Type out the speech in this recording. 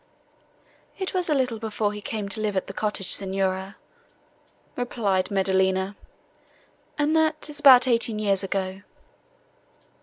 "It was a little before he came to live at the cottage, Signora," replied Maddelina, "and that is about eighteen years ago."